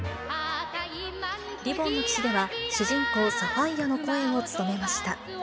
リボンの騎士では、主人公、サファイヤの声を務めました。